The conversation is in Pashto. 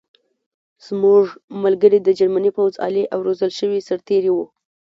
زموږ ملګري د جرمني پوځ عالي او روزل شوي سرتېري وو